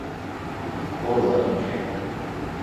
Rolândia